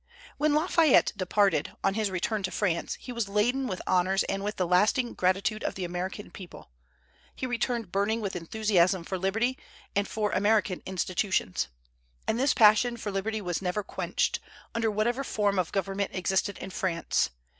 When Lafayette departed, on his return to France, he was laden with honors and with the lasting gratitude of the American people. He returned burning with enthusiasm for liberty, and for American institutions; and this passion for liberty was never quenched, under whatever form of government existed in France.